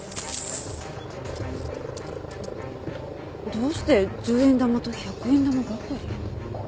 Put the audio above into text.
どうして１０円玉と１００円玉ばかり。